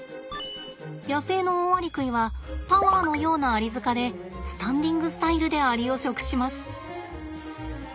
野生のオオアリクイはタワーのようなアリ塚でスタンディングスタイルでアリを食します。